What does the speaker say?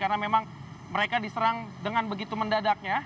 karena memang mereka diserang dengan begitu mendadaknya